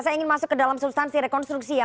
saya ingin masuk ke dalam substansi rekonstruksi ya